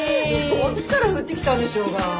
そっちから振ってきたんでしょうが！